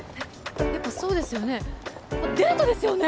やっぱそうですよねデートですよね